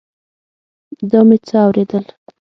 دا مې څه اورېدل.